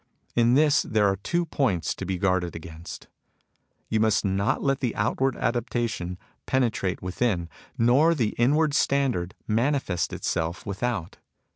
In this there are two points to be guarded against. You must not let the outward adaptation penetrate within, nor the inward standard manifest itself without.